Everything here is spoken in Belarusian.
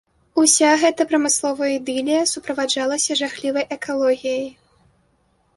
Уся гэта прамысловая ідылія суправаджалася жахлівай экалогіяй.